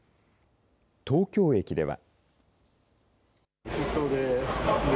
東京駅では。